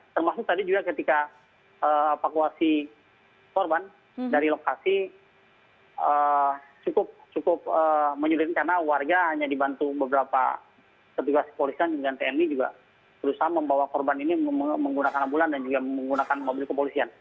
termasuk tadi juga ketika evakuasi korban dari lokasi cukup menyulit karena warga hanya dibantu beberapa petugas kepolisian dengan tni juga berusaha membawa korban ini menggunakan ambulan dan juga menggunakan mobil kepolisian